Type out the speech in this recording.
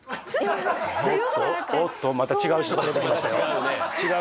おおっとまた違う違う人が出てきましたよ。